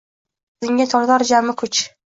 va meni oldinga tortar jami kuch.